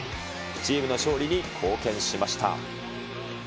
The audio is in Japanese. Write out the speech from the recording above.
チームの勝利に貢献しました。